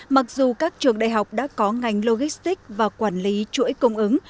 mặc dù các trường đại học đã có ngành logistics và quản lý chuỗi cung ứng